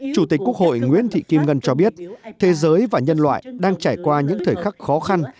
chủ tịch quốc hội nguyễn thị kim ngân cho biết thế giới và nhân loại đang trải qua những thời khắc khó khăn